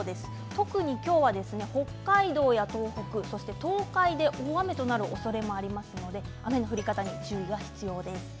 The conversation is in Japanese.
特に今日は北海道や東北、東海で大雨となるおそれがありますので雨の降り方に注意が必要です。